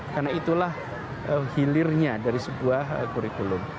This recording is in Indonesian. karena itulah hilirnya dari sebuah kurikulum